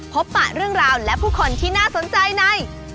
ปะเรื่องราวและผู้คนที่น่าสนใจใน